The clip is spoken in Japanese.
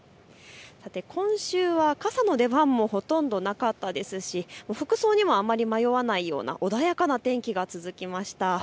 今週は傘の出番もほとんどなかったですし服装にもあまり迷わないような穏やかな天気が続きました。